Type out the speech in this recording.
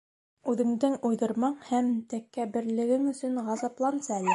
Үҙеңдең уйҙырмаң һәм тәкәбберлегең өсөн ғазаплансы әле!